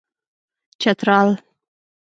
چترال